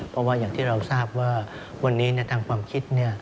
เพราะว่าอย่างที่เราทราบว่าวันนี้ทางความคิด